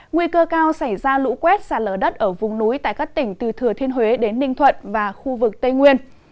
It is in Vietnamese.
nguy cơ cao xảy ra lũ quét xa lở đất ở vùng núi tại các tỉnh từ thừa thiên huế đến ninh thuận và khu vực tây nguyên